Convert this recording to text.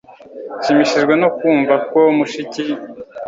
Nshimishijwe no kumva ko mushiki